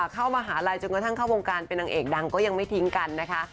เข้ามหาลัยจนกระทั่งเข้าวงการเป็นนางเอกดังก็ยังไม่ทิ้งกันนะคะ